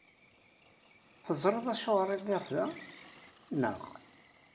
Teẓrid Acuɣer ay lliɣ da, naɣ?